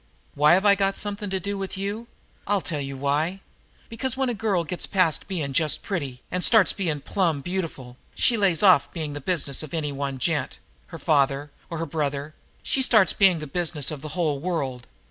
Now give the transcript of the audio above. Why have I got something to do with you? I'll tell you why: Because, when a girl gets past being just pretty and starts in being plumb beautiful, she lays off being the business of any one gent her father or her brother she starts being the business of the whole world.